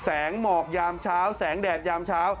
หมอกยามเช้าแสงแดดยามเช้า